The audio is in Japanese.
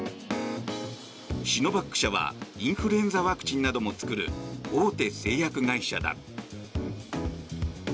シノバック社はインフルエンザワクチンなども作る大手製薬会社だ。